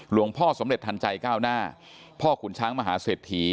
หลวงพ่อสำเร็จทันใจก้าวหน้าพ่อขุนช้างมหาเศรษฐี